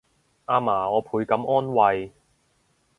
阿嫲我倍感安慰